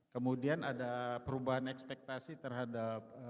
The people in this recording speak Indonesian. kemudian ada perubahan ekspektasi terhadap